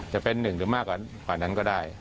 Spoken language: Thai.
จะเป็นหนึ่งหรือมากกว่านั้นก็ได้